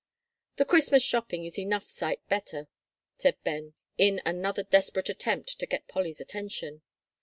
"The Christmas shopping is enough sight better," said Ben, in another desperate attempt to get Polly's attention.